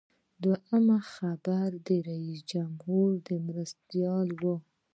دویم خبر د جمهور رئیس د مرستیال و.